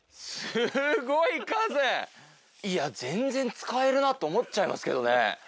いや全然使えるなって思っちゃいますけどね。